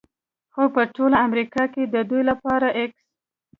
خو په ټول امریکا کې د دوی لپاره x